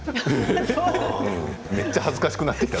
めっちゃ恥ずかしくなってきた。